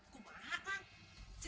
kau marah pak haji